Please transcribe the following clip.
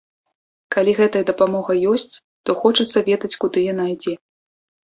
Калі гэтая дапамога ёсць, то хочацца ведаць, куды яна ідзе.